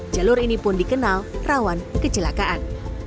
jalur ini pun dikenal rawan kecelakaan